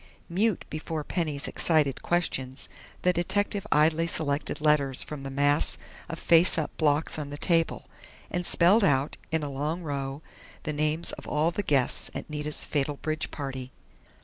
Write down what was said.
Mute before Penny's excited questions, the detective idly selected letters from the mass of face up blocks on the table, and spelled out, in a long row, the names of all the guests at Nita's fatal bridge party.